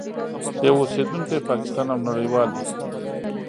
یو اوسېدونکی پاکستان او نړیوالي